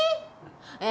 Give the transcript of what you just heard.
え